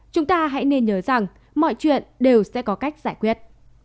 chúng ta hãy nên nhớ rằng mọi chuyện đều sẽ có cách giải quyết